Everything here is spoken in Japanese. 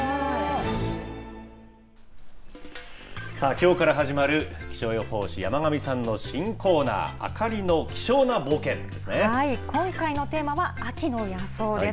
さあ、きょうから始まる気象予報士、山神さんの新コーナー、今回のテーマは、秋の野草です。